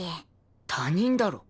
他人だろ。